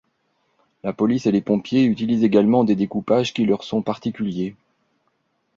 La police et les pompiers utilisent également des découpages qui leur sont particuliers.